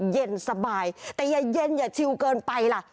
เย็นสบายแต่อย่าเย็นอย่าชิวเกินไปล่ะ